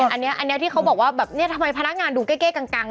อันนี้ที่เขาบอกว่าแบบนี้ทำไมพนักงานดูเก้กัง